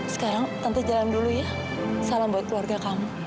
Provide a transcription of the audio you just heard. sekarang tentu jalan dulu ya salam buat keluarga kamu